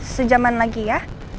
sejaman lagi ya